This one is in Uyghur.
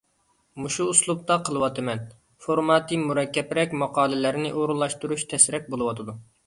مۇشۇ ئۇسلۇبتا قىلىۋاتىمەن. فورماتى مۇرەككەپرەك ماقالىلەرنى ئورۇنلاشتۇرۇش تەسرەك بولۇۋاتىدۇ.